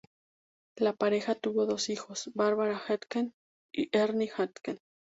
La pareja tuvo dos hijos: Barbra Hackett y Ernie Hackett.